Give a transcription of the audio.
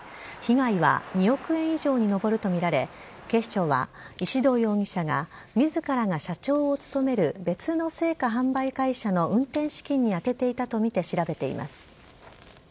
被害は２億円以上に上ると見られ、警視庁は、石動容疑者が、みずからが社長を務める別の生花販売会社の運転資金に充てていたと見て調べています。